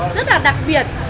rất là đặc biệt